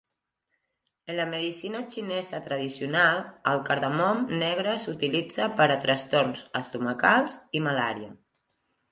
En la medicina xinesa tradicional, el cardamom negre s'utilitza per a trastorns estomacals i malària.